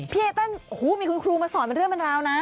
พี่เอเต้นโอ้โฮมีคุณครูมาสอนมาเท่านะคุณแม่